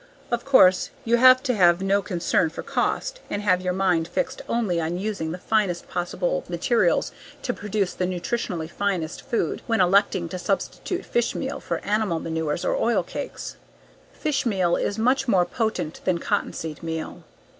Of course, you have to have no concern for cost and have your mind fixed only on using the finest possible materials to produce the nutritionally finest food when electing to substitute fish meal for animal manures or oil cakes. Fish meal is much more potent than cottonseed meal.